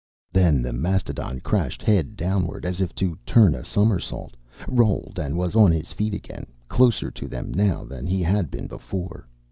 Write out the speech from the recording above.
Then the mastodon crashed head downward, as if to turn a somersault, rolled and was on his feet again, closer to them now than he had been before.